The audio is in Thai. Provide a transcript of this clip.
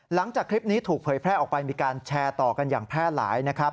หลังจากคลิปนี้ถูกเผยแพร่ออกไปมีการแชร์ต่อกันอย่างแพร่หลายนะครับ